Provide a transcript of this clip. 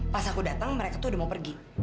pas aku datang mereka tuh udah mau pergi